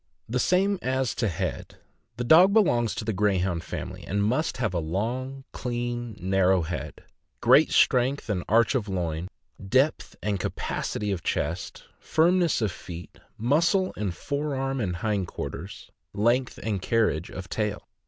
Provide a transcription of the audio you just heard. The same as to head. The dog belongs to the Greyhound family, and must have a long, clean, narrow head; great strength and arch of loin; depth and capacity of chest; firmness of feet; muscle in the fore arm and hind quarters; length and carriage of tail.